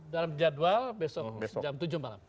dalam jadwal besok jam tujuh malam